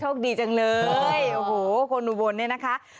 คดีจังเลยโอ้โหคนอุบลเนี่ยนะคะ